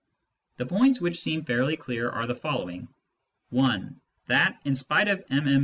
The points which seem fairly clear are the following : (i) That, in spite of MM.